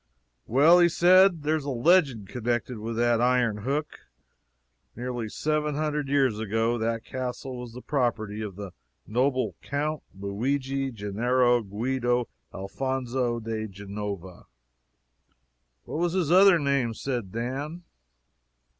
"Well," he said; "there is a legend connected with that iron hook. Nearly seven hundred years ago, that castle was the property of the noble Count Luigi Gennaro Guido Alphonso di Genova " "What was his other name?" said Dan.